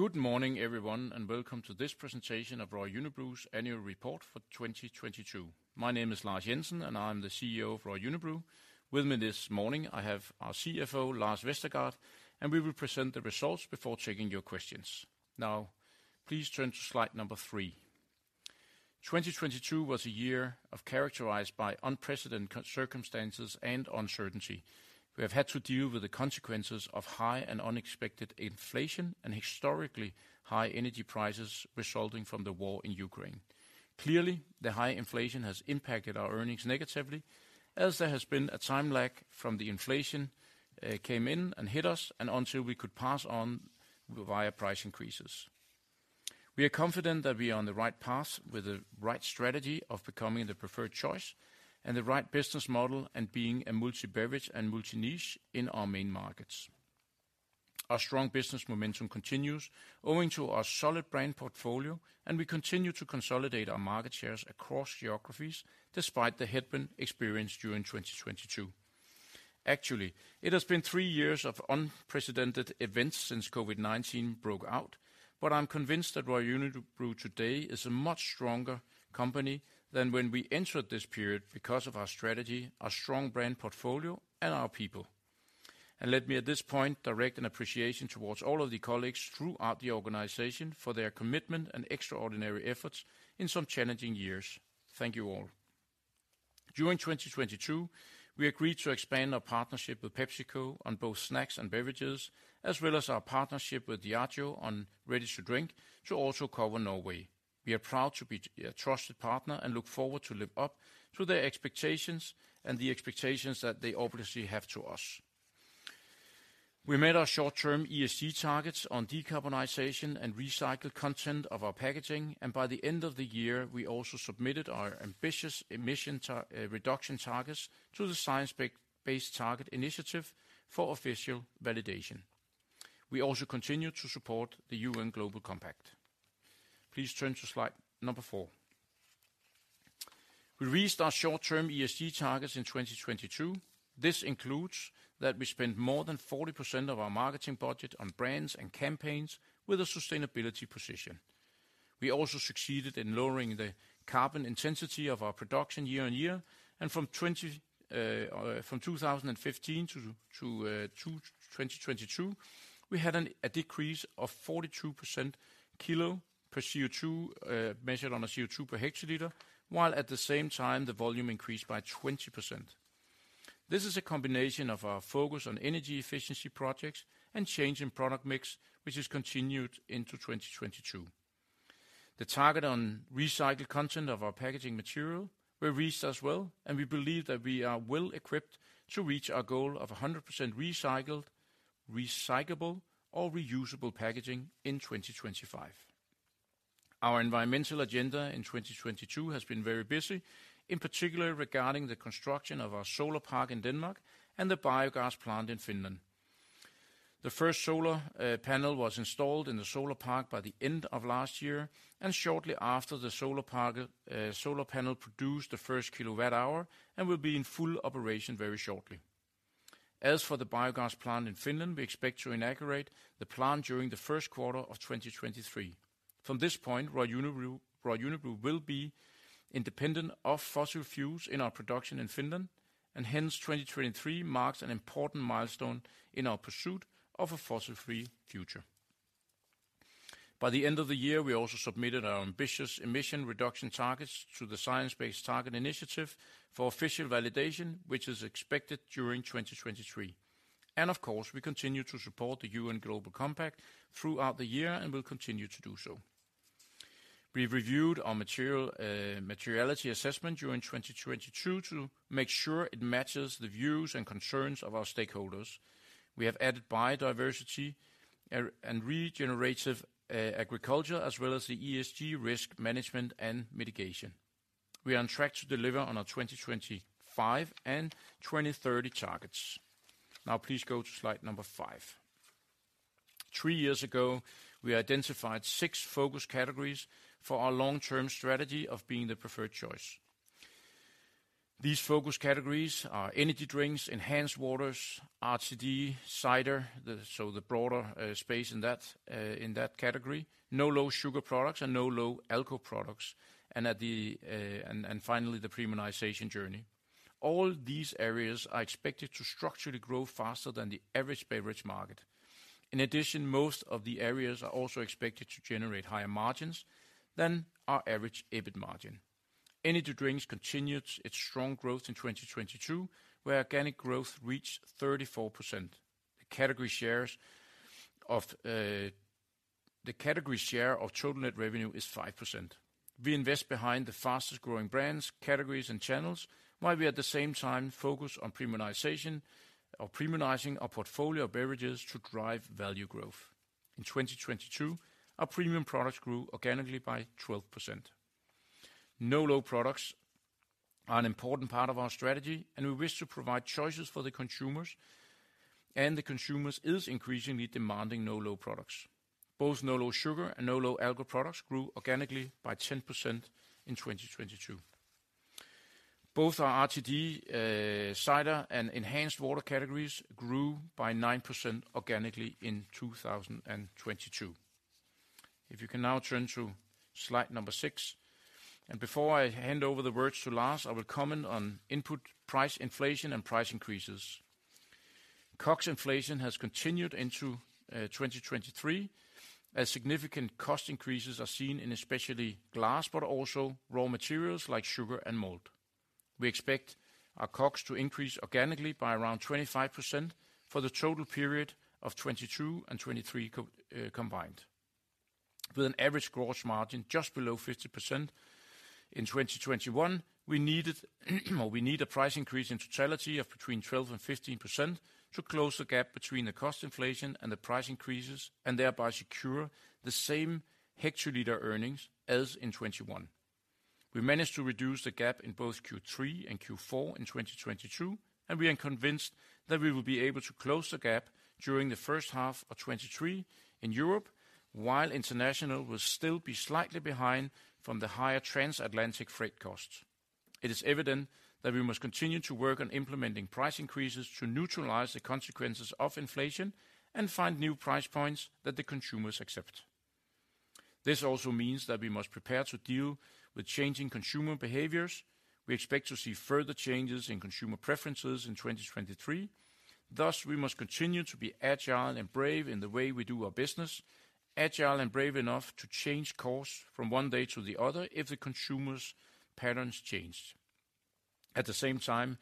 Good morning, everyone, Welcome to this presentation of Royal Unibrew's Annual report for 2022. My name is Lars Jensen. I'm the CEO of Royal Unibrew. With me this morning, I have our CFO, Lars Vestergaard. We will present the results before taking your questions. Now please turn to slide number three. 2022 was a year of characterized by unprecedented circumstances and uncertainty. We have had to deal with the consequences of high and unexpected inflation and historically high energy prices resulting from the war in Ukraine. The high inflation has impacted our earnings negatively, as there has been a time lag from the inflation came in and hit us and until we could pass on via price increases. We are confident that we are on the right path with the right strategy of becoming the preferred choice and the right business model and being a multi-beverage and multi-niche in our main markets. Our strong business momentum continues owing to our solid brand portfolio. We continue to consolidate our market shares across geographies despite the headwind experienced during 2022. Actually, it has been three years of unprecedented events since COVID-19 broke out. I'm convinced that Royal Unibrew today is a much stronger company than when we entered this period because of our strategy, our strong brand portfolio, and our people. Let me at this point direct an appreciation towards all of the colleagues throughout the organization for their commitment and extraordinary efforts in some challenging years. Thank you all. During 2022, we agreed to expand our partnership with PepsiCo on both snacks and beverages, as well as our partnership with Diageo on ready-to-drink to also cover Norway. We are proud to be a trusted partner and look forward to live up to their expectations and the expectations that they obviously have to us. We met our short-term ESG targets on decarbonization and recycled content of our packaging, and by the end of the year, we also submitted our ambitious emission reduction targets to the Science Based Targets initiative for official validation. We also continue to support the UN Global Compact. Please turn to slide number four. We reached our short-term ESG targets in 2022. This includes that we spent more than 40% of our marketing budget on brands and campaigns with a sustainability position. We also succeeded in lowering the carbon intensity of our production year-over-year and from 2015 to 2022, we had a decrease of 42% kilo per CO₂, measured on a CO₂ per hectoliter, while at the same time the volume increased by 20%. This is a combination of our focus on energy efficiency projects and change in product mix, which has continued into 2022. The target on recycled content of our packaging material were reached as well. We believe that we are well equipped to reach our goal of 100% recycled, recyclable or reusable packaging in 2025. Our environmental agenda in 2022 has been very busy, in particular regarding the construction of our solar park in Denmark and the biogas plant in Finland. The first solar panel was installed in the solar park by the end of last year, and shortly after, the solar park solar panel produced the first kilowatt hour and will be in full operation very shortly. As for the biogas plant in Finland, we expect to inaugurate the plant during the first quarter of 2023. From this point, Royal Unibrew will be independent of fossil fuels in our production in Finland, and hence 2023 marks an important milestone in our pursuit of a fossil-free future. By the end of the year, we also submitted our ambitious emission reduction targets to the Science Based Targets initiative for official validation, which is expected during 2023. And of course, we continue to support the UN Global Compact throughout the year and will continue to do so. We've reviewed our materiality assessment during 2022 to make sure it matches the views and concerns of our stakeholders. We have added biodiversity and regenerative agriculture as well as the ESG risk management and mitigation. We are on track to deliver on our 2025 and 2030 targets. Please go to slide number five. Three years ago, we identified six focus categories for our long-term strategy of being the preferred choice. These focus categories are energy drinks, enhanced waters, RTD, cider, the broader space in that category, no/low sugar products and no/low alcohol products, and finally the premiumization journey. All these areas are expected to structurally grow faster than the average beverage market. In addition, most of the areas are also expected to generate higher margins than our average EBIT margin. Energy drinks continued its strong growth in 2022, where organic growth reached 34%. The category share of total net revenue is 5%. We invest behind the fastest-growing brands, categories, and channels, while we at the same time focus on premiumization or premiumizing our portfolio of beverages to drive value growth. In 2022, our premium products grew organically by 12%. No Low products are an important part of our strategy, and we wish to provide choices for the consumers, and the consumers is increasingly demanding No Low products. Both No Low sugar and No Low alcohol products grew organically by 10% in 2022. Both our RTD, cider and enhanced water categories grew by 9% organically in 2022. If you can now turn to slide number six. Before I hand over the words to Lars, I will comment on input price inflation and price increases. COGS inflation has continued into 2023, as significant cost increases are seen in especially glass, but also raw materials like sugar and malt. We expect our COGS to increase organically by around 25% for the total period of 2022 and 2023 combined. With an average gross margin just below 50% in 2021, we needed, or we need a price increase in totality of between 12% and 15% to close the gap between the cost inflation and the price increases, and thereby secure the same hectoliter earnings as in 2021. We managed to reduce the gap in both Q3 and Q4 in 2022, and we are convinced that we will be able to close the gap during the first half of 2023 in Europe, while international will still be slightly behind from the higher transatlantic freight costs. It is evident that we must continue to work on implementing price increases to neutralize the consequences of inflation and find new price points that the consumers accept. This also means that we must prepare to deal with changing consumer behaviors. We expect to see further changes in consumer preferences in 2023. Thus, we must continue to be agile and brave in the way we do our business. Agile and brave enough to change course from one day to the other if the consumers' patterns change. At the same time,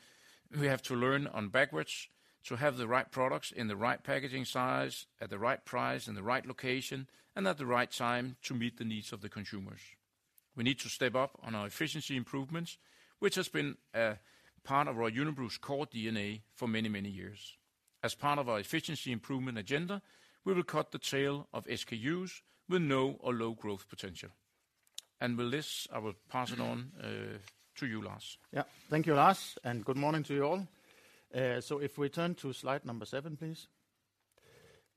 we have to learn on backwards to have the right products in the right packaging size, at the right price, in the right location, and at the right time to meet the needs of the consumers. We need to step up on our efficiency improvements, which has been a part of our Royal Unibrew's core DNA for many, many years. As part of our efficiency improvement agenda, we will cut the tail of SKUs with no or low growth potential. With this, I will pass it on to you, Lars. Yeah. Thank you, Lars, and good morning to you all. If we turn to slide number seven, please.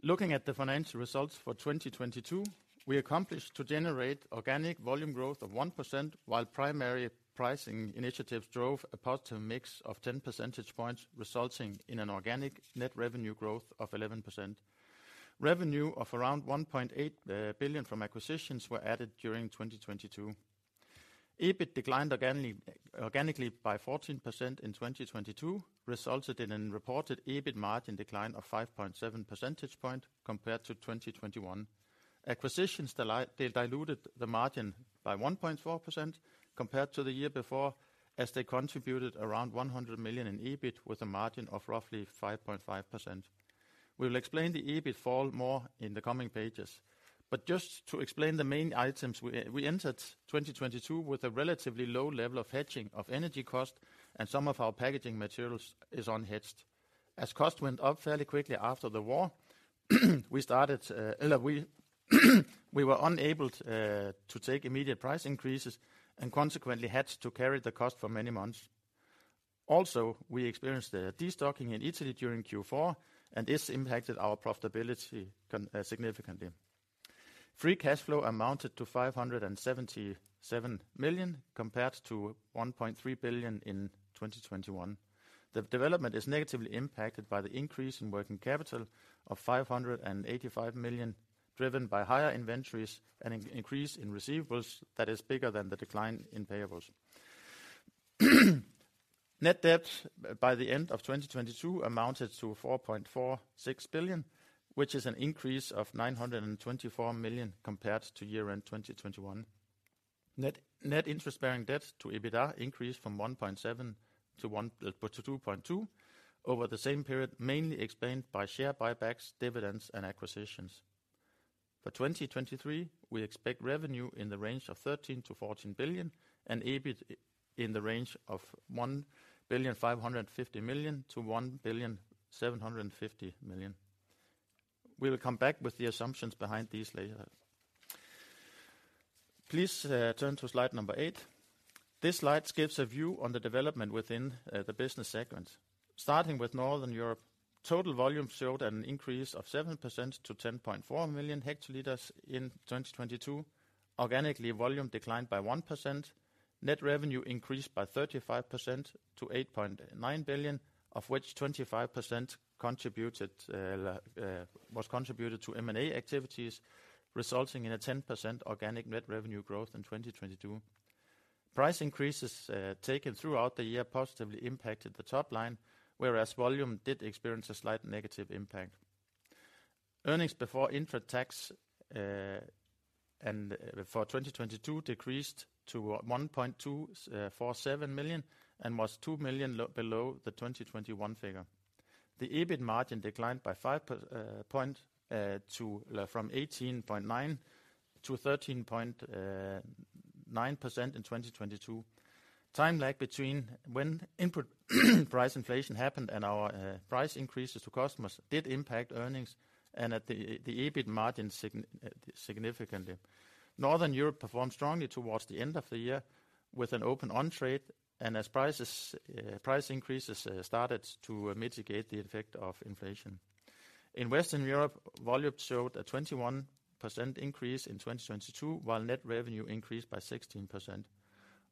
Looking at the financial results for 2022, we accomplished to generate organic volume growth of 1%, while primary pricing initiatives drove a positive mix of 10 percentage points, resulting in an organic net revenue growth of 11%. Revenue of around 1.8 billion from acquisitions were added during 2022. EBIT declined organically by 14% in 2022, resulted in an reported EBIT margin decline of 5.7 percentage point compared to 2021. Acquisitions they diluted the margin by 1.4% compared to the year before, as they contributed around 100 million in EBIT, with a margin of roughly 5.5%. We'll explain the EBIT fall more in the coming pages. Just to explain the main items, we entered 2022 with a relatively low level of hedging of energy cost and some of our packaging materials is unhedged. As cost went up fairly quickly after the war, we started, we were unable to take immediate price increases and consequently had to carry the cost for many months. Also, we experienced a destocking in Italy during Q4, and this impacted our profitability significantly. Free cash flow amounted to 577 million, compared to 1.3 billion in 2021. The development is negatively impacted by the increase in working capital of 585 million, driven by higher inventories and increase in receivables that is bigger than the decline in payables. Net debt by the end of 2022 amounted to 4.46 billion, which is an increase of 924 million compared to year-end 2021. Net interest-bearing debt to EBITDA increased from 1.7 to 2.2 over the same period, mainly explained by share buybacks, dividends, and acquisitions. For 2023, we expect revenue in the range of 13 billion-14 billion and EBIT in the range of 1.55 billion-1.75 billion. We will come back with the assumptions behind these later. Please turn to slide number eight. This slide gives a view on the development within the business segments. Starting with Northern Europe, total volume showed an increase of 7% to 10.4 million hectoliters in 2022. Organically, volume declined by 1%. Net revenue increased by 35% to 8.9 billion, of which 25% was contributed to M&A activities, resulting in a 10% organic net revenue growth in 2022. Price increases taken throughout the year positively impacted the top line, whereas volume did experience a slight negative impact. Earnings before intra-tax and for 2022 decreased to 1.247 million and was 2 million below the 2021 figure. The EBIT margin declined by 5 point to, from 18.9% to 13.9% in 2022. Time lag between when input price inflation happened and our price increases to customers did impact earnings and the EBIT margin significantly. Northern Europe performed strongly towards the end of the year with an open on-trade, as price increases started to mitigate the effect of inflation. In Western Europe, volume showed a 21% increase in 2022, while net revenue increased by 16%.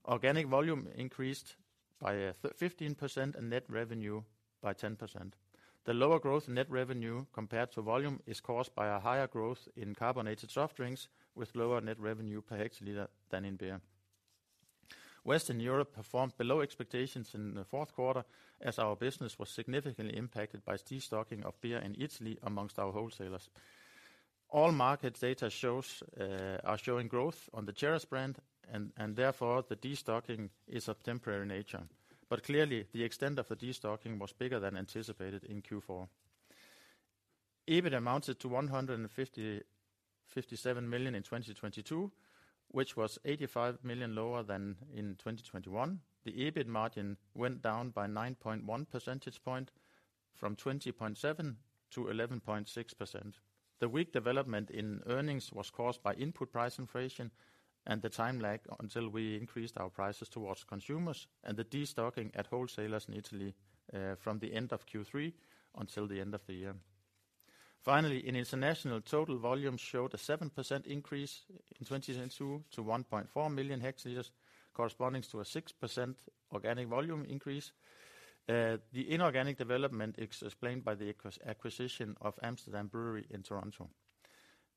Organic volume increased by 15% and net revenue by 10%. The lower growth net revenue compared to volume is caused by a higher growth in carbonated soft drinks with lower net revenue per hectoliter than in beer. Western Europe performed below expectations in the fourth quarter as our business was significantly impacted by destocking of beer in Italy amongst our wholesalers. All market data are showing growth on the Ceres brand and therefore the destocking is of temporary nature. Clearly the extent of the destocking was bigger than anticipated in Q4. EBIT amounted to 157 million in 2022, which was 85 million lower than in 2021. The EBIT margin went down by 9.1 percentage point from 20.7 to 11.6%. The weak development in earnings was caused by input price inflation and the time lag until we increased our prices towards consumers and the destocking at wholesalers in Italy, from the end of Q3 until the end of the year. In International, total volume showed a 7% increase in 2022 to 1.4 million hectoliters, corresponding to a 6% organic volume increase. The inorganic development is explained by the acquisition of Amsterdam Brewery in Toronto.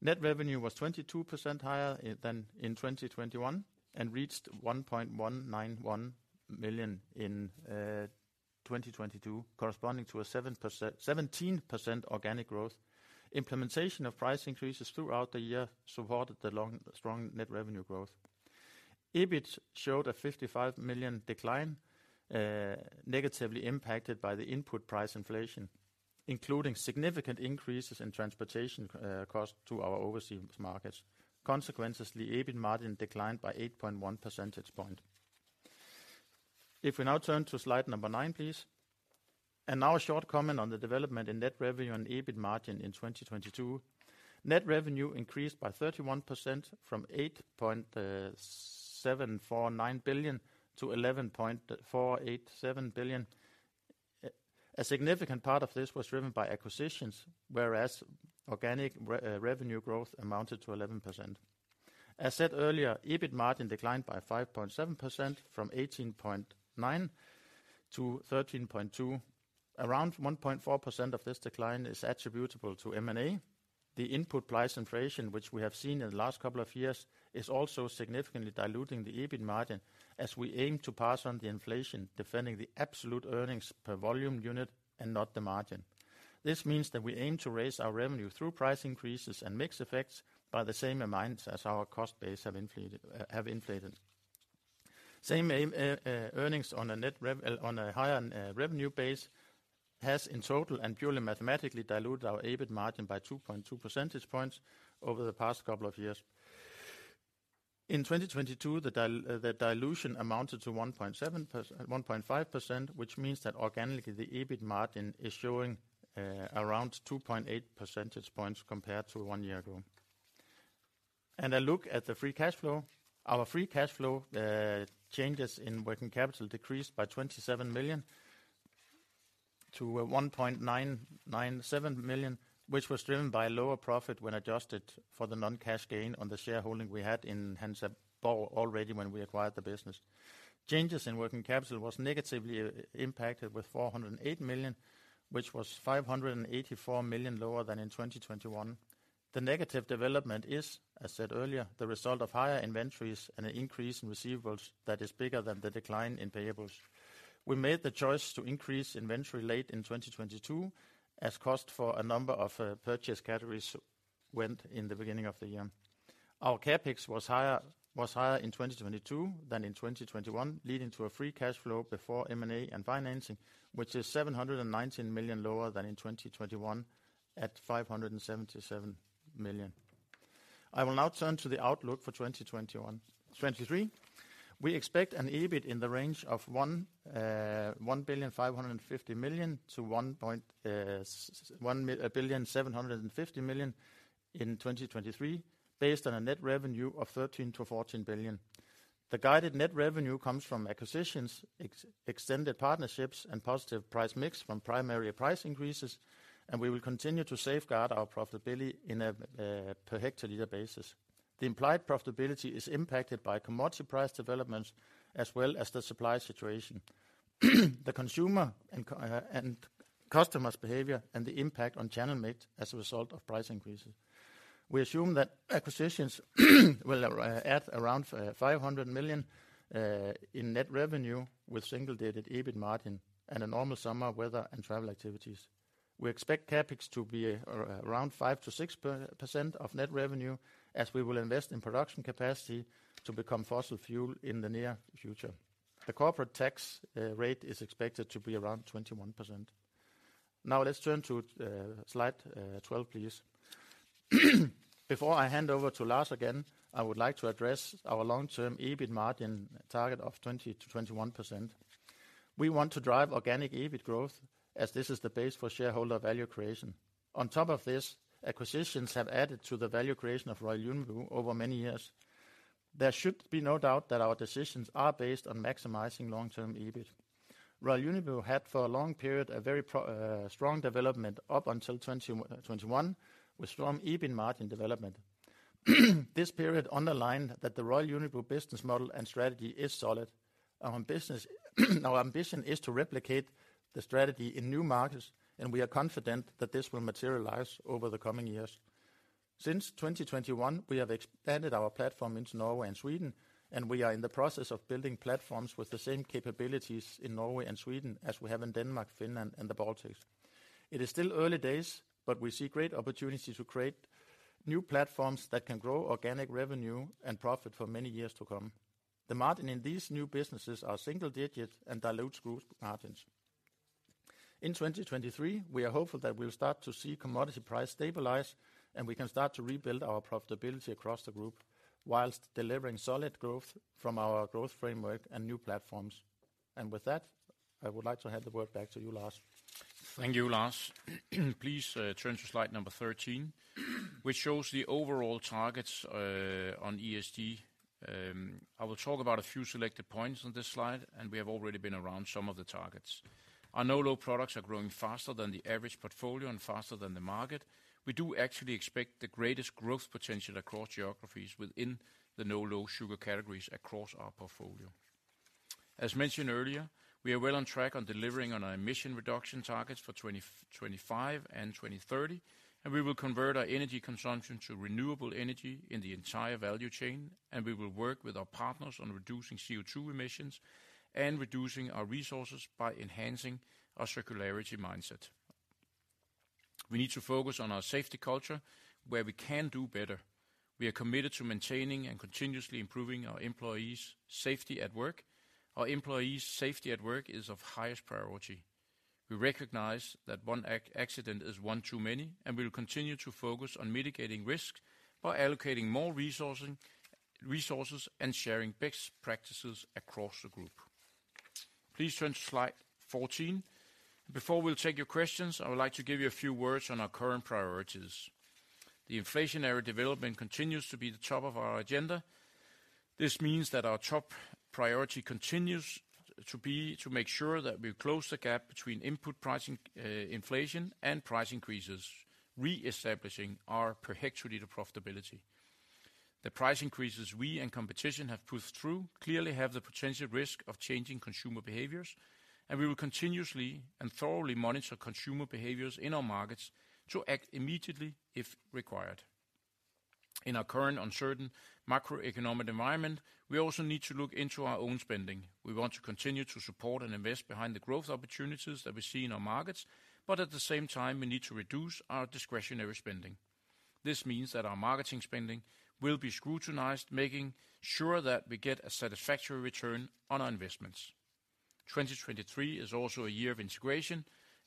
Net revenue was 22% higher than in 2021 and reached 1.191 million in 2022, corresponding to a 17% organic growth. Implementation of price increases throughout the year supported the strong net revenue growth. EBIT showed a 55 million decline, negatively impacted by the input price inflation, including significant increases in transportation costs to our overseas markets. Consequently, EBIT margin declined by 8.1 percentage point. If we now turn to slide number 9, please. Now a short comment on the development in net revenue and EBIT margin in 2022. Net revenue increased by 31% from 8.749 billion to 11.487 billion. A significant part of this was driven by acquisitions, whereas organic revenue growth amounted to 11%. As said earlier, EBIT margin declined by 5.7% from 18.9% to 13.2%. Around 1.4% of this decline is attributable to M&A. The input price inflation, which we have seen in the last couple of years, is also significantly diluting the EBIT margin as we aim to pass on the inflation, defending the absolute earnings per volume unit and not the margin. This means that we aim to raise our revenue through price increases and mix effects by the same amounts as our cost base have inflated. Same earnings on a net revenue on a higher revenue base has in total and purely mathematically diluted our EBIT margin by 2.2 percentage points over the past couple of years. In 2022, the dilution amounted to 1.5%, which means that organically the EBIT margin is showing around 2.8 percentage points compared to one year ago a look at the free cash flow. Our free cash flow, changes in working capital decreased by 27 million to 1.997 million, which was driven by lower profit when adjusted for the non-cash gain on the shareholding we had in Hansa Borg already when we acquired the business. Changes in working capital was negatively impacted with 408 million, which was 584 million lower than in 2021. The negative development is, as said earlier, the result of higher inventories and an increase in receivables that is bigger than the decline in payables. We made the choice to increase inventory late in 2022 as cost for a number of purchase categories went in the beginning of the year. Our CapEx was higher in 2022 than in 2021, leading to a free cash flow before M&A and financing, which is 719 million lower than in 2021 at 577 million. I will now turn to the outlook for 2023. We expect an EBIT in the range of 1.55 billion-1.75 billion in 2023 based on a net revenue of 13 billion-14 billion. The guided net revenue comes from acquisitions, extended partnerships, and positive price mix from primary price increases, and we will continue to safeguard our profitability in a per hectoliter basis. The implied profitability is impacted by commodity price developments as well as the supply situation, the consumer and customer's behavior, and the impact on channel mix as a result of price increases. We assume that acquisitions will add around 500 million in net revenue with single-digit EBIT margin and a normal summer weather and travel activities. We expect CapEx to be around 5%-6% of net revenue as we will invest in production capacity to become fossil fuel in the near future. The corporate tax rate is expected to be around 21%. Let's turn to slide 12, please. Before I hand over to Lars again, I would like to address our long-term EBIT margin target of 20% to 21%. We want to drive organic EBIT growth as this is the base for shareholder value creation. On top of this, acquisitions have added to the value creation of Royal Unibrew over many years. There should be no doubt that our decisions are based on maximizing long-term EBIT. Royal Unibrew had for a long period a very strong development up until 2021 with strong EBIT margin development. This period underlined that the Royal Unibrew business model and strategy is solid. Our ambition is to replicate the strategy in new markets, and we are confident that this will materialize over the coming years. Since 2021, we have expanded our platform into Norway and Sweden, and we are in the process of building platforms with the same capabilities in Norway and Sweden as we have in Denmark, Finland, and the Baltics. It is still early days, but we see great opportunity to create new platforms that can grow organic revenue and profit for many years to come. The margin in these new businesses are single digit and dilute group margins. In 2023, we are hopeful that we'll start to see commodity price stabilize, and we can start to rebuild our profitability across the group whilst delivering solid growth from our growth framework and new platforms. With that, I would like to hand the word back to you, Lars. Thank you, Lars. Please turn to slide number 13, which shows the overall targets on ESG. I will talk about a few selected points on this slide. We have already been around some of the targets. Our no/low products are growing faster than the average portfolio and faster than the market. We do actually expect the greatest growth potential across geographies within the no/low sugar categories across our portfolio. As mentioned earlier, we are well on track on delivering on our emission reduction targets for 2025 and 2030. We will convert our energy consumption to renewable energy in the entire value chain. We will work with our partners on reducing CO2 emissions and reducing our resources by enhancing our circularity mindset. We need to focus on our safety culture where we can do better. We are committed to maintaining and continuously improving our employees' safety at work. Our employees' safety at work is of highest priority. We recognize that one accident is one too many, and we'll continue to focus on mitigating risks by allocating more resources and sharing best practices across the group. Please turn to slide 14. Before we'll take your questions, I would like to give you a few words on our current priorities. The inflationary development continues to be the top of our agenda. This means that our top priority continues to be to make sure that we close the gap between input pricing inflation and price increases, reestablishing our per hectoliter profitability. The price increases we and competition have pushed through clearly have the potential risk of changing consumer behaviors, and we will continuously and thoroughly monitor consumer behaviors in our markets to act immediately if required. In our current uncertain macroeconomic environment, we also need to look into our own spending. We want to continue to support and invest behind the growth opportunities that we see in our markets, but at the same time, we need to reduce our discretionary spending. This means that our marketing spending will be scrutinized, making sure that we get a satisfactory return on our investments. 2023 is also a year of integration.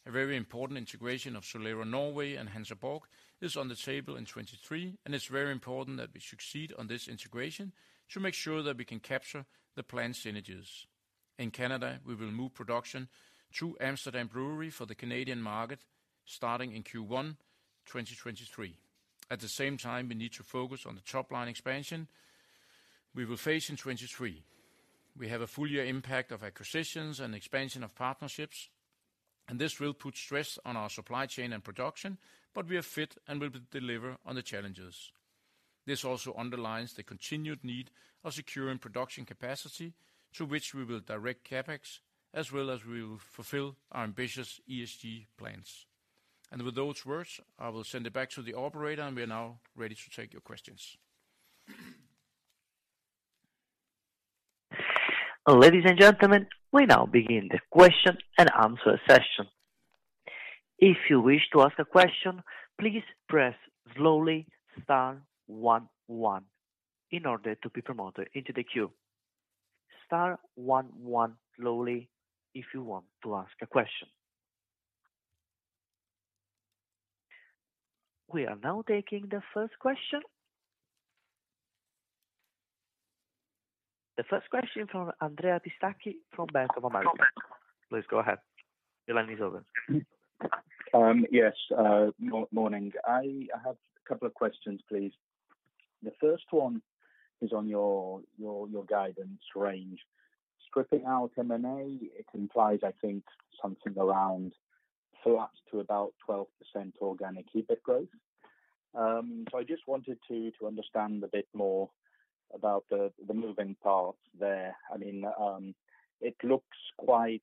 A very important integration of Solera Norway and Hansa Borg is on the table in 2023, and it's very important that we succeed on this integration to make sure that we can capture the planned synergies. In Canada, we will move production to Amsterdam Brewery for the Canadian market starting in Q1 2023. At the same time, we need to focus on the top-line expansion we will face in 2023. We have a full year impact of acquisitions and expansion of partnerships, and this will put stress on our supply chain and production, but we are fit and will deliver on the challenges. This also underlines the continued need of securing production capacity to which we will direct CapEx as well as we will fulfill our ambitious ESG plans. With those words, I will send it back to the operator, and we are now ready to take your questions. Ladies and gentlemen, we now begin the question and answer session. If you wish to ask a question, please press slowly star one one in order to be promoted into the queue. Star one one slowly if you want to ask a question. We are now taking the first question. The first question from Andrea Pistacchi from Bank of America. Please go ahead. Your line is open. Yes orning. I have a couple of questions, please. The first one is on your guidance range. Stripping out M&A, it implies, I think, something around perhaps to about 12% organic EBIT growth. I just wanted to understand a bit more about the moving parts there. I mean, it looks quite,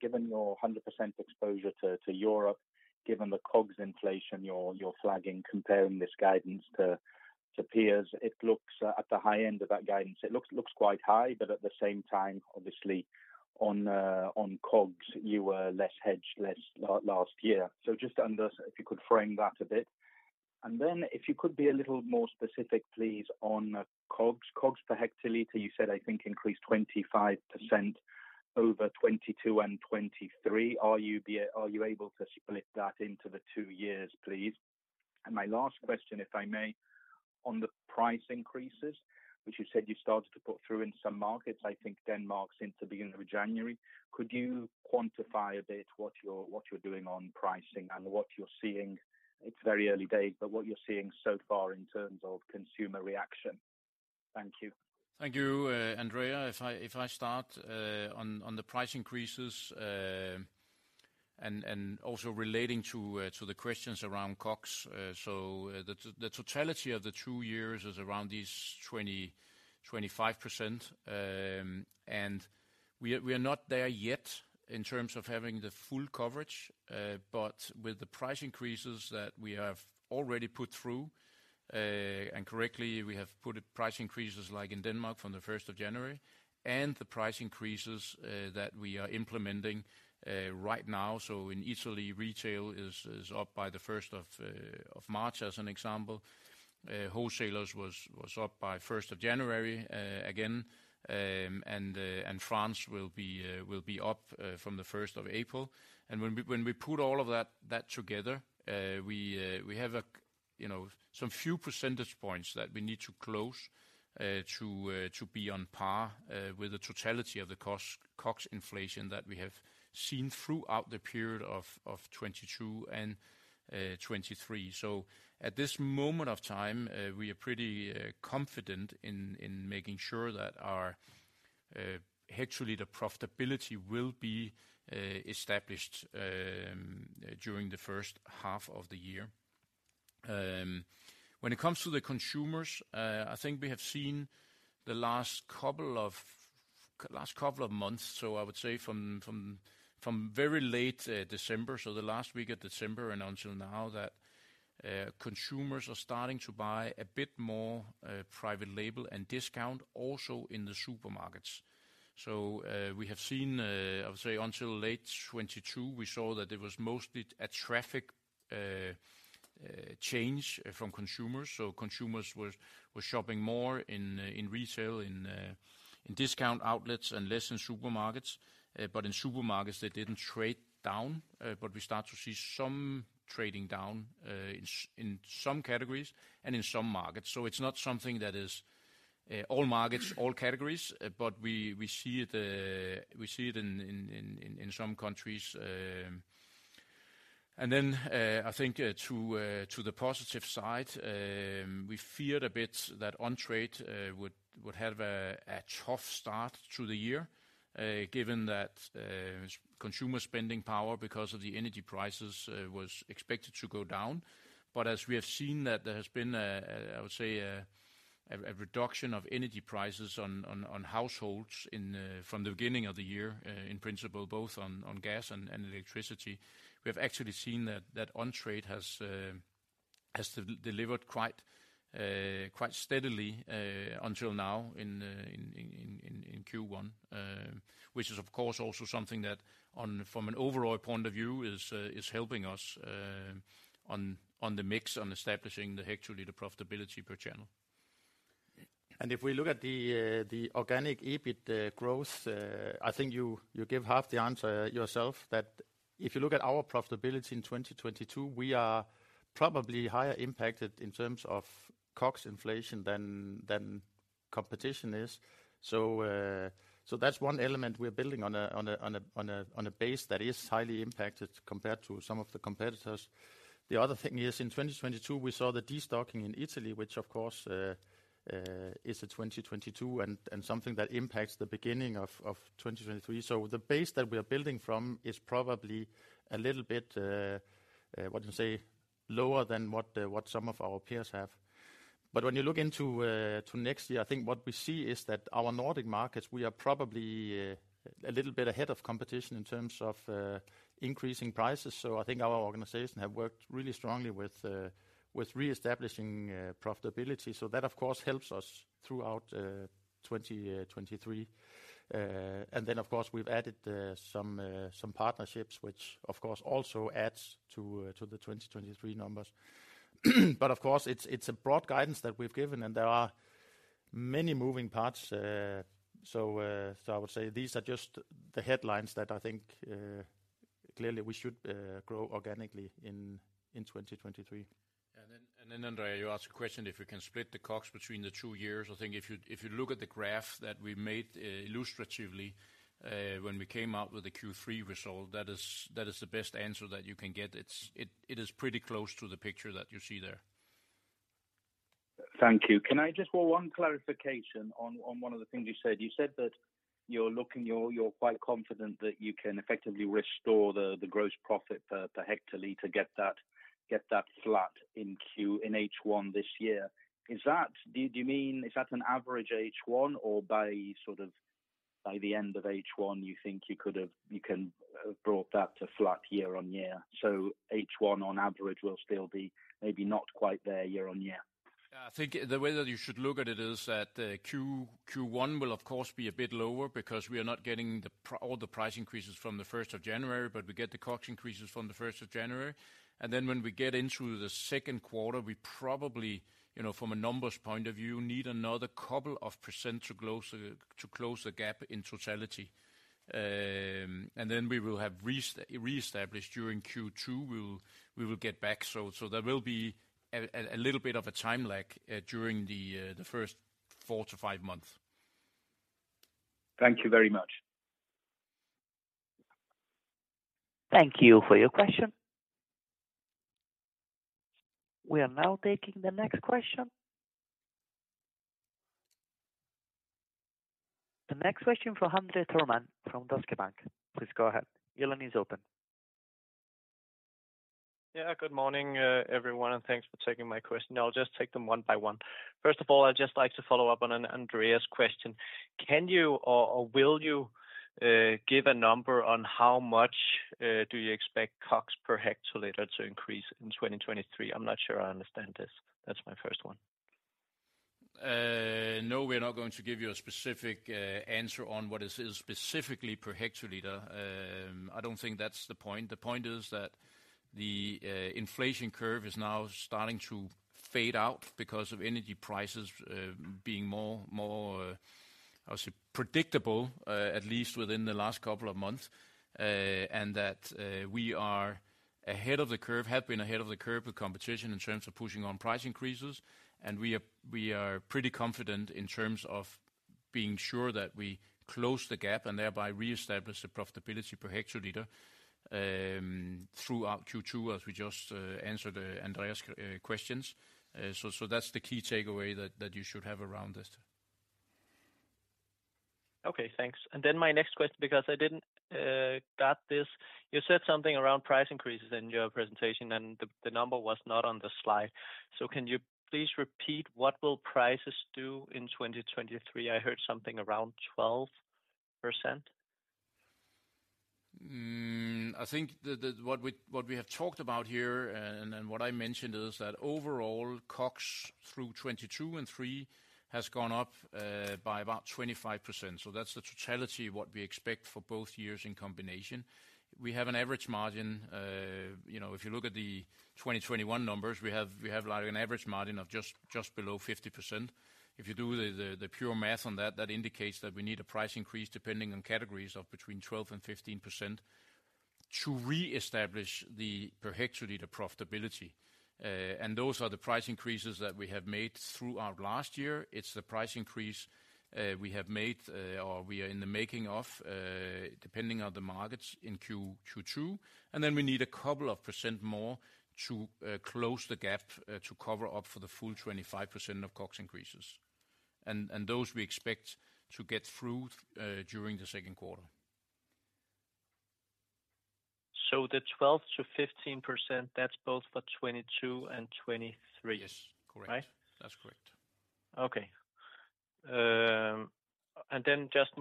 given your 100% exposure to Europe, given the COGS inflation you're flagging comparing this guidance to peers, it looks, at the high end of that guidance, it looks quite high. At the same time, obviously on COGS, you were less hedged less last year. If you could frame that a bit. If you could be a little more specific, please, on COGS. COGS per hectoliter, you said, I think, increased 25% over 2022 and 2023. Are you able to split that into the two years, please? My last question, if I may, on the price increases, which you said you started to put through in some markets, I think Denmark since the beginning of January. Could you quantify a bit what you're doing on pricing and what you're seeing? It's very early days, but what you're seeing so far in terms of consumer reaction? Thank you. Thank you, Andrea. If I start on the price increases and also relating to the questions around COGS, the totality of the two years is around this 20%-25%. We are not there yet in terms of having the full coverage, but with the price increases that we have already put through, and correctly, we have put price increases like in Denmark from the first of January, and the price increases that we are implementing right now. In Italy, retail is up by the first of March, as an example. Wholesalers was up by first of January again, and France will be up from the first of April. When we put all of that together, we have a you know, some few percentage points that we need to close, to be on par with the totality of the Cost-COGS inflation that we have seen throughout the period of 2022 and 2023. At this moment of time, we are pretty confident in making sure that our actually the profitability will be established during the first half of the year. When it comes to the consumers, I think we have seen the last couple of months, so I would say from very late December, so the last week of December and until now that consumers are starting to buy a bit more private label and discount also in the supermarkets. We have seen, I would say until late 2022, we saw that it was mostly a traffic change from consumers. Consumers were shopping more in retail, in discount outlets and less in supermarkets. In supermarkets, they didn't trade down. We start to see some trading down in some categories and in some markets. It's not something that is all markets, all categories, but we see it in some countries. Then, I think to the positive side, we feared a bit that on trade would have a tough start to the year, given that consumer spending power because of the energy prices was expected to go down. As we have seen that there has been a, I would say a reduction of energy prices on households from the beginning of the year, in principle, both on gas and electricity. We have actually seen that on trade has delivered quite steadily until now in Q1. Which is of course also something that on, from an overall point of view is helping us on the mix, on establishing the actually the profitability per channel. If we look at the organic EBIT growth, I think you gave half the answer yourself, that if you look at our profitability in 2022, we are probably higher impacted in terms of COGS inflation than competition is. That's one element we're building on a base that is highly impacted compared to some of the competitors. The other thing is, in 2022, we saw the destocking in Italy, which of course, is a 2022 and something that impacts the beginning of 2023. The base that we are building from is probably a little bit, what to say. Lower than what some of our peers have. When you look into next year, I think what we see is that our Nordic markets, we are probably a little bit ahead of competition in terms of increasing prices. I think our organization have worked really strongly with reestablishing profitability. That, of course, helps us throughout 2023. Of course, we've added some partnerships, which of course also adds to the 2023 numbers. Of course, it's a broad guidance that we've given, and there are many moving parts. I would say these are just the headlines that I think clearly we should grow organically in 2023. Andrea, you asked a question if you can split the COGS between the two years. I think if you look at the graph that we made illustratively, when we came out with the Q3 result, that is the best answer that you can get. It's pretty close to the picture that you see there. Thank you. Can I just for one clarification on one of the things you said? You said that you're quite confident that you can effectively restore the gross profit per hectare to get that flat in H1 this year. Is that? Do you mean is that an average H1 or by the end of H1, you think you can have brought that to flat year-on-year? H1 on average will still be maybe not quite there year-on-year. I think the way that you should look at it is that Q1 will of course be a bit lower because we are not getting all the price increases from the 1st of January, but we get the COGS increases from the 1st of January. When we get into the 2nd quarter, we probably, you know, from a numbers point of view, need another 2% to close the gap in totality. We will have reestablished during Q2, we will get back. There will be a little bit of a time lag during the 1st four to five months. Thank you very much. Thank you for your question. We are now taking the next question. The next question from André Thormann from Danske Bank. Please go ahead. Your line is open. Good morning, everyone, and thanks for taking my question. I'll just take them one by one. First of all, I'd just like to follow up on Andrea's question. Can you or will you give a number on how much do you expect COGS per hectoliter to increase in 2023? I'm not sure I understand this. That's my first one. No, we're not going to give you a specific answer on what is specifically per hectoliter. I don't think that's the point. The point is that the inflation curve is now starting to fade out because of energy prices being more, I would say, predictable, at least within the last couple of months. That we are ahead of the curve, have been ahead of the curve with competition in terms of pushing on price increases. We are pretty confident in terms of being sure that we close the gap and thereby reestablish the profitability per hectoliter throughout Q2, as we just answered Andreas questions. That's the key takeaway that you should have around this. Okay, thanks. My next question, because I didn't got this, you said something around price increases in your presentation, and the number was not on the slide. Can you please repeat what will prices do in 2023? I heard something around 12%. I think what we have talked about here and what I mentioned is that overall COGS through 2022 and 2023 has gone up by about 25%. That's the totality of what we expect for both years in combination. We have an average margin. You know, if you look at the 2021 numbers, we have like an average margin of just below 50%. If you do the pure math on that indicates that we need a price increase depending on categories of between 12% and 15% to reestablish the per hectoliter profitability. Those are the price increases that we have made throughout last year. It's the price increase we have made, or we are in the making of, depending on the markets in Q2, and then we need a couple of percent more to close the gap to cover up for the full 25% of COGS increases. Those we expect to get through during the second quarter. The 12%-15%, that's both for 2022 and 2023? Yes. Correct. Right. That's correct. Then just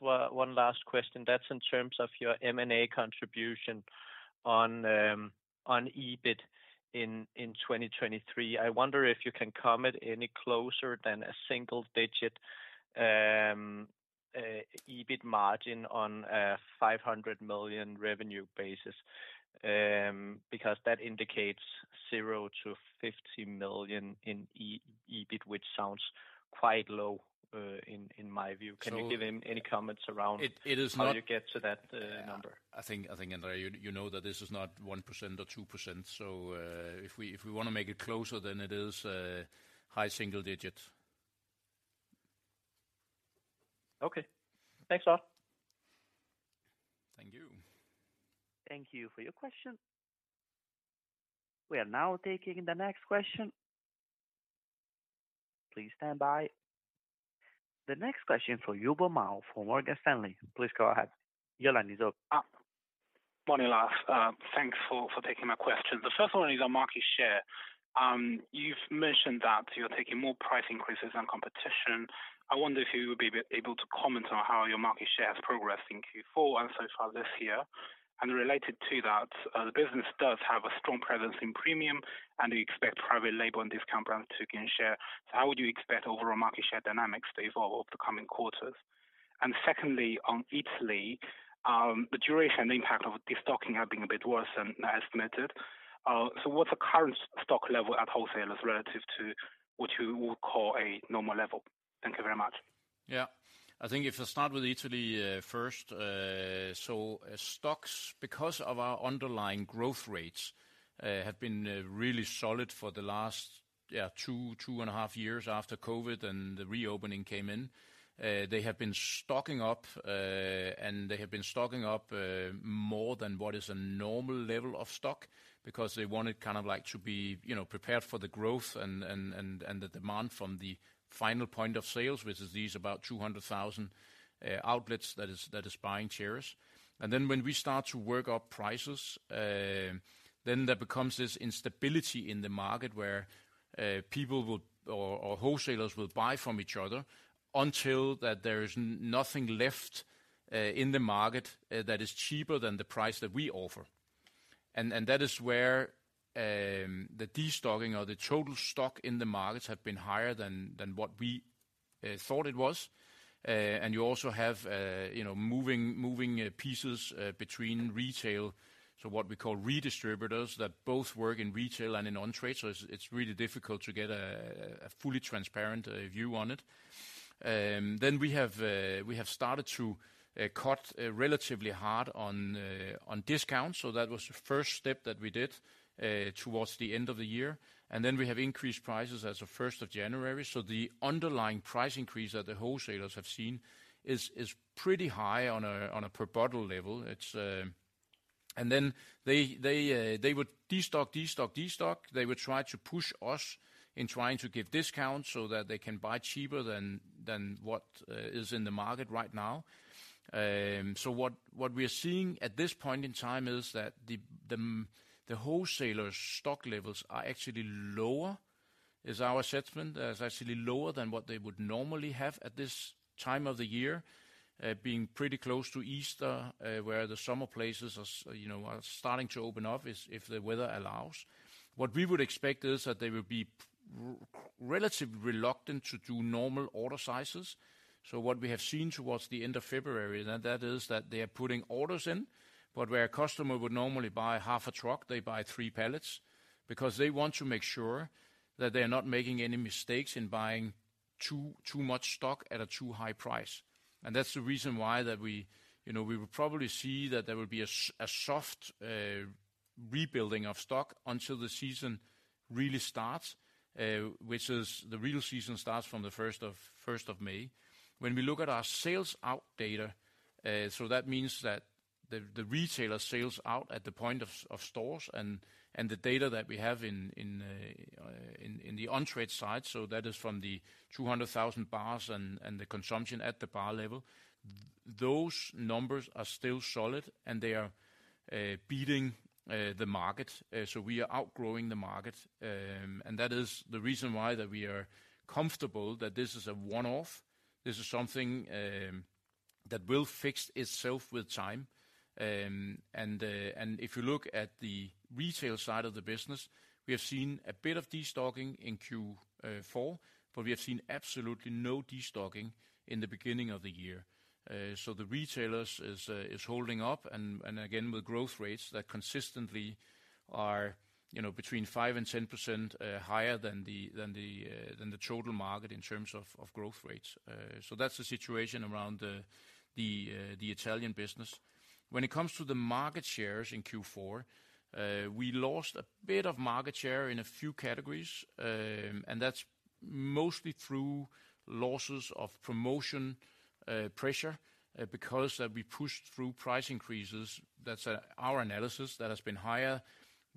one last question. That's in terms of your M&A contribution on EBIT in 2023. I wonder if you can comment any closer than a single digit EBIT margin on a 500 million revenue basis, because that indicates 0-50 million in EBIT, which sounds quite low in my view. So- Can you give any comments? It is not. How you get to that number? I think, Andre, you know that this is not 1% or 2%, so if we wanna make it closer then it is high single digit. Okay. Thanks a lot. Thank you. Thank you for your question. We are now taking the next question. Please stand by. The next question for Yubo Mao from Morgan Stanley. Please go ahead. Your line is open. Morning, Lars. Thanks for taking my question. The first one is on market share. You've mentioned that you're taking more price increases than competition. I wonder if you would be a bit able to comment on how your market share has progressed in Q4 and so far this year. Related to that, the business does have a strong presence in premium, and you expect private label and discount brands to gain share. How would you expect overall market share dynamics to evolve over the coming quarters? Secondly, on Italy, the duration and impact of destocking have been a bit worse than estimated. What's the current stock level at wholesalers relative to what you would call a normal level? Thank you very much. Yeah. I think if I start with Italy, first, stocks, because of our underlying growth rates, have been really solid for the last, two and a half years after COVID and the reopening came in. They have been stocking up, and they have been stocking up more than what is a normal level of stock because they wanted kind of like to be, you know, prepared for the growth and the demand from the final point of sales, which is these about 200,000 outlets that is buying Ceres. When we start to work up prices, then there becomes this instability in the market where people will or wholesalers will buy from each other until that there is nothing left in the market that is cheaper than the price that we offer. That is where the destocking or the total stock in the markets have been higher than what we thought it was. You also have, you know, moving pieces between retail, so what we call redistributors, that both work in retail and in on-trade. It's really difficult to get a fully transparent view on it. We have, we have started to cut relatively hard on discounts. That was the first step that we did towards the end of the year. Then we have increased prices as of first of January. The underlying price increase that the wholesalers have seen is pretty high on a per bottle level. It's. They would destock. They would try to push us in trying to give discounts so that they can buy cheaper than what is in the market right now. What we are seeing at this point in time is that the wholesalers stock levels are actually lower, is our assessment. Is actually lower than what they would normally have at this time of the year, being pretty close to Easter, where the summer places are you know, are starting to open up is if the weather allows. What we would expect is that they will be relatively reluctant to do normal order sizes. What we have seen towards the end of February, and that is that they are putting orders in, but where a customer would normally buy half a truck, they buy three pallets because they want to make sure that they're not making any mistakes in buying too much stock at a too high price. That's the reason why that we, you know, we will probably see that there will be a soft rebuilding of stock until the season really starts, which is the real season starts from the first of May. When we look at our sales out data, so that means that the retailer sales out at the point of stores and the data that we have in the on-trade side, so that is from the 200,000 bars and the consumption at the bar level, those numbers are still solid and they are beating the market. We are outgrowing the market. That is the reason why that we are comfortable that this is a one-off. This is something that will fix itself with time. If you look at the retail side of the business, we have seen a bit of destocking in Q4, we have seen absolutely no destocking in the beginning of the year. The retailers is holding up and again, with growth rates that consistently are, you know, between 5% and 10% higher than the total market in terms of growth rates. That's the situation around the Italian business. When it comes to the market shares in Q4, we lost a bit of market share in a few categories. That's mostly through losses of promotion pressure because we pushed through price increases. That's our analysis that has been higher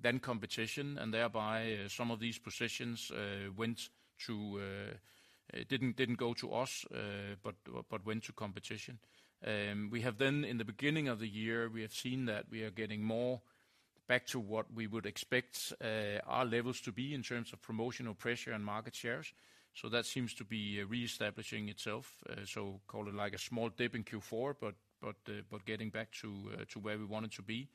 than competition, and thereby some of these positions went to didn't go to us, but went to competition. We have then in the beginning of the year, we have seen that we are getting more back to what we would expect our levels to be in terms of promotional pressure and market shares. That seems to be reestablishing itself. Call it like a small dip in Q4, but getting back to where we want it to be.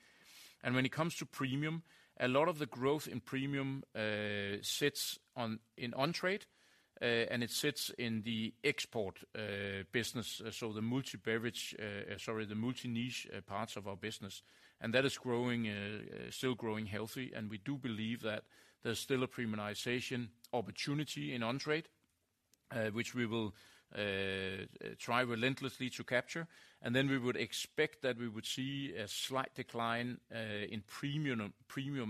When it comes to premium, a lot of the growth in premium sits on, in on-trade, and it sits in the export business, the multi-beverage, sorry, the multi-niche parts of our business. That is growing, still growing healthy. We do believe that there's still a premiumization opportunity in on-trade, which we will try relentlessly to capture. We would expect that we would see a slight decline in premium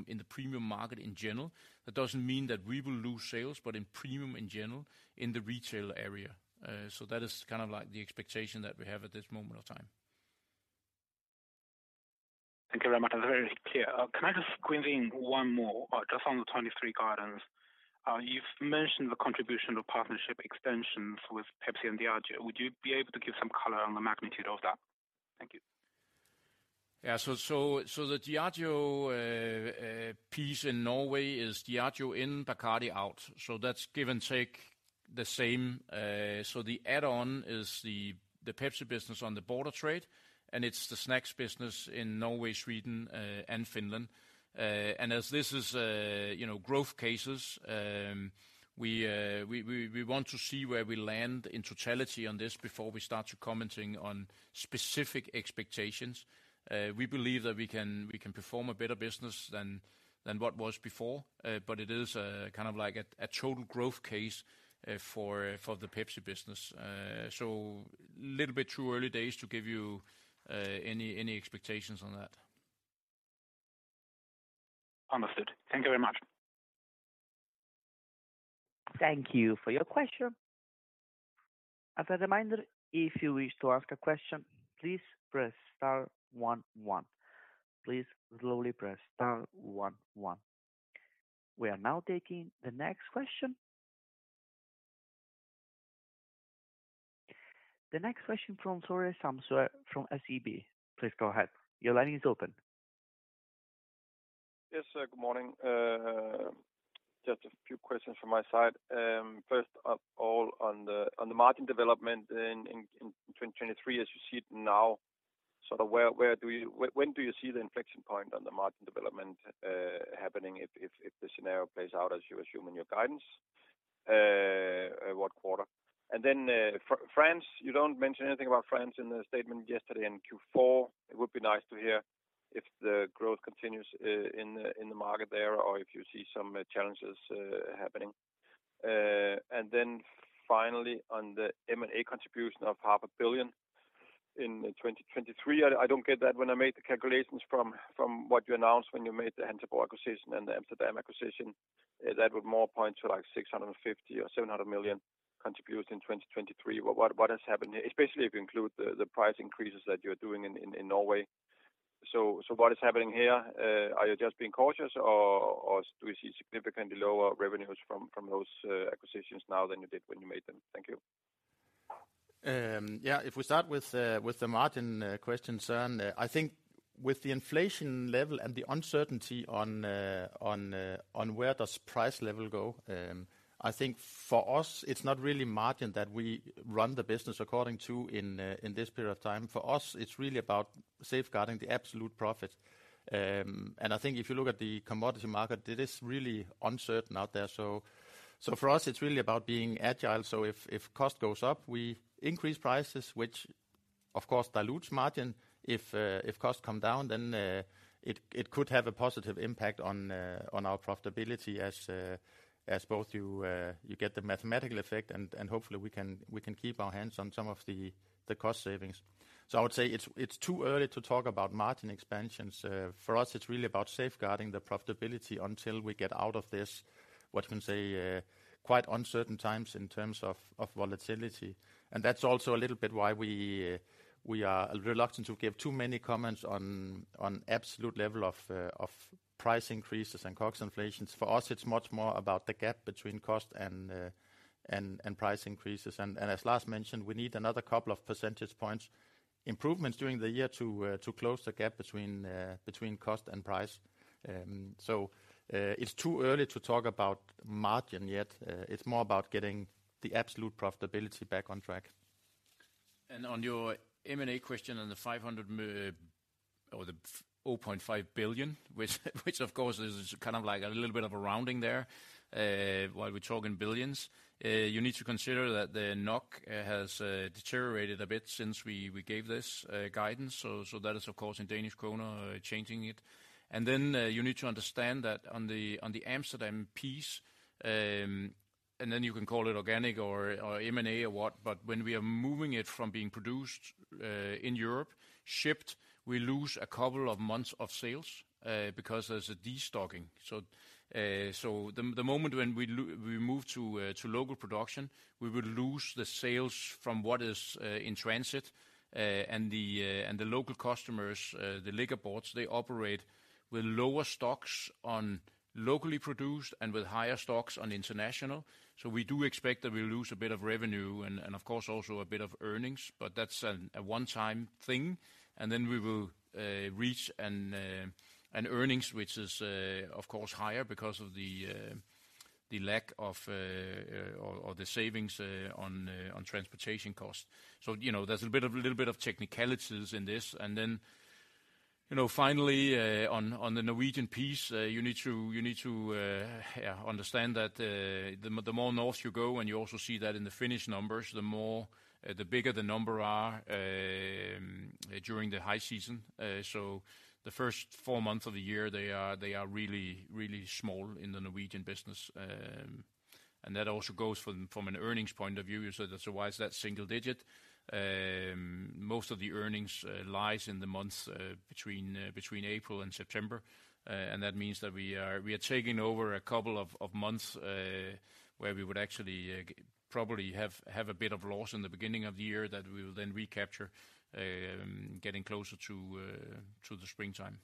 in the premium market in general. That doesn't mean that we will lose sales, but in premium in general in the retail area. That is kind of like the expectation that we have at this moment of time. Thank you very much. That's very clear. Can I just squeeze in one more, just on the 2023 guidance? You've mentioned the contribution of partnership extensions with PepsiCo and Diageo. Would you be able to give some color on the magnitude of that? Thank you. The Diageo piece in Norway is Diageo in, Bacardi out. That's give and take the same. The add-on is the PepsiCo business on the border trade, and it's the snacks business in Norway, Sweden, and Finland. As this is, you know, growth cases, we want to see where we land in totality on this before we start to commenting on specific expectations. We believe that we can perform a better business than what was before. It is kind of like a total growth case for the PepsiCo business. Little bit too early days to give you any expectations on that. Understood. Thank you very much. Thank you for your question. As a reminder, if you wish to ask a question, please press star one one. Please slowly press star one one. We are now taking the next question. The next question from Søren Samsøe from SEB. Please go ahead. Your line is open. Yes, good morning. Just a few questions from my side. First up all on the margin development in 2023 as you see it now, sort of when do you see the inflection point on the margin development happening if the scenario plays out as you assume in your guidance? What quarter? Then, France, you don't mention anything about France in the statement yesterday in Q4. It would be nice to hear if the growth continues in the market there or if you see some challenges happening. Finally on the M&A contribution of half a billion in 2023. I don't get that when I made the calculations from what you announced when you made the Hansa Borg acquisition and the Amsterdam acquisition. That would more point to like 650 million or 700 million contributes in 2023. What has happened here? Especially if you include the price increases that you're doing in Norway. What is happening here? Are you just being cautious or do we see significantly lower revenues from those acquisitions now than you did when you made them? Thank you. Yeah, if we start with the margin question, Søren. I think with the inflation level and the uncertainty on where does price level go, I think for us, it's not really margin that we run the business according to in this period of time. For us, it's really about safeguarding the absolute profit. I think if you look at the commodity market, it is really uncertain out there. For us, it's really about being agile. If cost goes up, we increase prices, which of course dilutes margin. If costs come down, then it could have a positive impact on our profitability as both you get the mathematical effect, and hopefully we can keep our hands on some of the cost savings. I would say it's too early to talk about margin expansions. For us, it's really about safeguarding the profitability until we get out of this, what you can say, quite uncertain times in terms of volatility. That's also a little bit why we are reluctant to give too many comments on absolute level of price increases and COGS inflations. For us, it's much more about the gap between cost and price increases. As Lars mentioned, we need another couple of percentage points improvements during the year to close the gap between cost and price. It's too early to talk about margin yet. It's more about getting the absolute profitability back on track. On your M&A question on the 0.5 billion, which of course is kind of like a little bit of a rounding there, while we talk in billions. You need to consider that the NOK has deteriorated a bit since we gave this guidance. That is of course in DKK, changing it. Then you need to understand that on the Amsterdam piece, and then you can call it organic or M&A or what, but when we are moving it from being produced in Europe shipped, we lose a couple of months of sales because there's a destocking. The moment when we move to local production, we will lose the sales from what is in transit. The local customers, the liquor boards, they operate with lower stocks on locally produced and with higher stocks on international. We do expect that we'll lose a bit of revenue and of course also a bit of earnings, but that's a one-time thing. We will reach an earnings which is of course higher because of the lack of or the savings on transportation costs. You know, there's a little bit of technicalities in this. You know, finally, on the Norwegian piece, you need to understand that the more north you go, and you also see that in the Finnish numbers, the more the bigger the number are during the high season. The first four months of the year, they are really, really small in the Norwegian business. That also goes from an earnings point of view. That's why it's that single digit. Most of the earnings lies in the months between April and September. That means that we are taking over a couple of months, where we would actually, probably have a bit of loss in the beginning of the year that we will then recapture, getting closer to the springtime.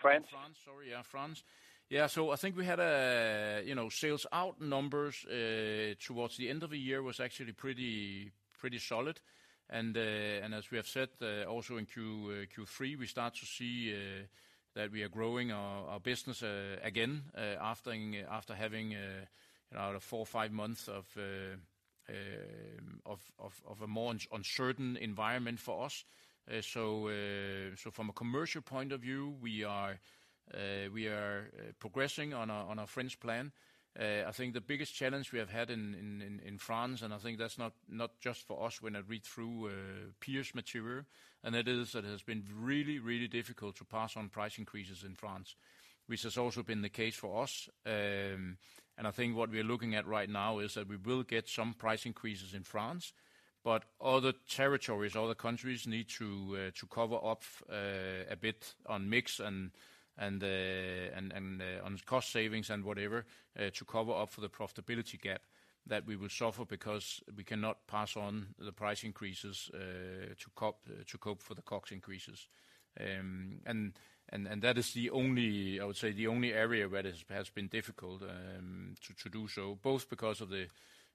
France? France. Sorry, yeah, France. Yeah, so I think we had, you know, sales out numbers towards the end of the year was actually pretty solid. As we have said, also in Q, Q3, we start to see that we are growing our business again, after having, you know, four, five months of a more uncertain environment for us. From a commercial point of view, we are progressing on our French plan. I think the biggest challenge we have had in France, and I think that's not just for us when I read through peers' material, and it is that it has been really difficult to pass on price increases in France, which has also been the case for us. I think what we're looking at right now is that we will get some price increases in France, but other territories, other countries need to cover up a bit on mix and on cost savings and whatever, to cover up for the profitability gap that we will suffer because we cannot pass on the price increases to cope for the COGS increases. That is the only, I would say, the only area where this has been difficult, to do so, both because of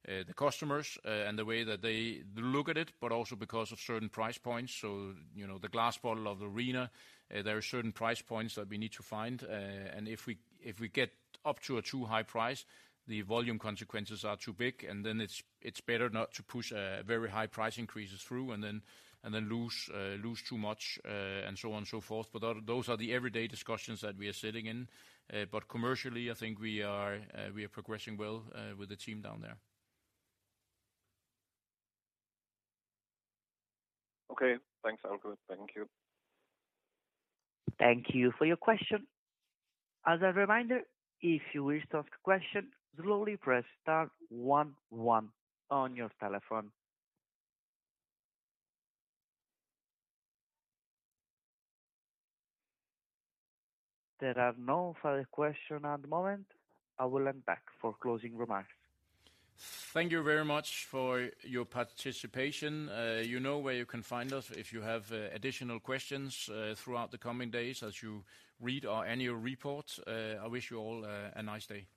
the customers, and the way that they look at it, but also because of certain price points. You know, the glass bottle of Arena, there are certain price points that we need to find. If we get up to a too high price, the volume consequences are too big, and then it's better not to push very high price increases through and then lose too much, and so on and so forth. Those are the everyday discussions that we are sitting in. Commercially, I think we are progressing well with the team down there. Okay. Thanks, all good. Thank you. Thank you for your question. As a reminder, if you wish to ask a question, slowly press star one one on your telephone. There are no further question at the moment. I will unpack for closing remarks. Thank you very much for your participation. you know where you can find us if you have additional questions throughout the coming days as you read our annual report. I wish you all a nice day.